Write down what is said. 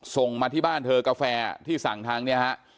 ส่งมาที่บ้านเธอกาแฟที่สั่งทางเนี่ยฮะ